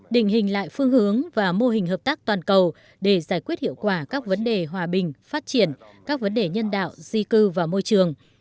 định hình lại phương hướng và mô hình hợp tác toàn cầu để giải quyết hiệu quả các vấn đề hòa bình phát triển các vấn đề nhân đạo di cư và môi trường